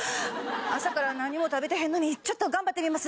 朝から何も食べてへんのにちょっと頑張ってみます。